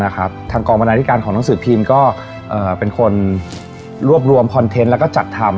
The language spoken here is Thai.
ทางกองบรรณาธิการของหนังสือพิมพ์ก็เป็นคนรวบรวมคอนเทนต์แล้วก็จัดทำ